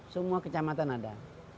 semua kecamatan ada